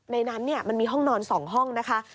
ในนั้นมันมีห้องนอน๒ห้องนะคะ